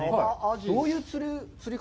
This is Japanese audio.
どういう釣り方？